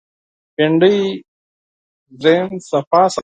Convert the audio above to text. بېنډۍ د ذهن صفا ساتي